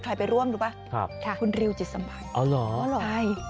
ายไปร่วมรู้ปะครับคุณริวอีจิตสำวัสดิอ๋อหรอ